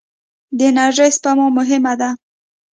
د انرژۍ سپما مهمه ده.